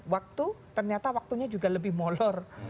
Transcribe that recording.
waktu ternyata waktunya juga lebih molor